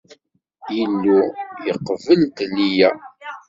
Illu iqbel-d Liya.